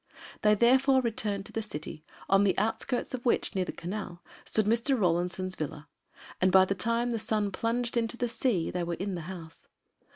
They, therefore, returned to the city, on the outskirts of which, near the Canal, stood Mr. Rawlinson's villa, and by the time the sun plunged into the sea they were in the house.